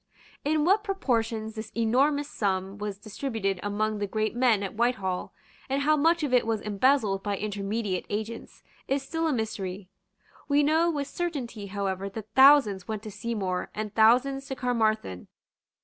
In what proportions this enormous sum was distributed among the great men at Whitehall, and how much of it was embezzled by intermediate agents, is still a mystery. We know with certainty however that thousands went to Seymour and thousands to Caermarthen.